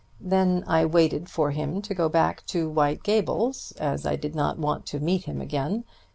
Then I waited for him to go back to White Gables, as I did not want to meet him again.